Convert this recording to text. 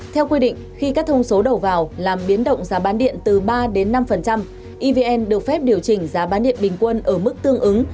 theo quy định khi các thông số đầu vào làm biến động giá bán điện từ ba đến năm evn được phép điều chỉnh giá bán điện bình quân ở mức tương ứng